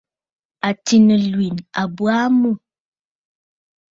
Àtì nɨlwèn a bə aa mû.